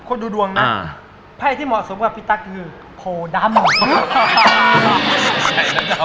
ดูดวงนะไพ่ที่เหมาะสมกับพี่ตั๊กคือโพดำ